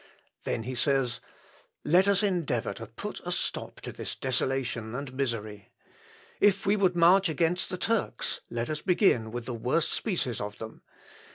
Then he says, "Let us endeavour to put a stop to this desolation and misery. If we would march against the Turks let us begin with the worst species of them.